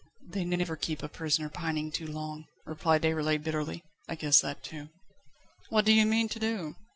"They never keep a prisoner pining too long," replied Déroulède bitterly. "I guessed that too." "What do you mean to do?"